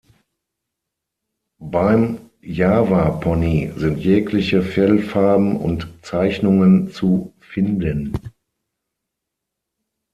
Beim Java-Pony sind jegliche Fellfarben und -zeichnungen zu finden.